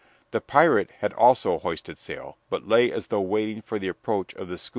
The pirate had also hoisted sail, but lay as though waiting for the approach of the schooner and the sloop.